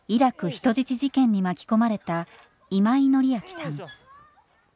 人質事件」に巻き込まれた今井紀明さん。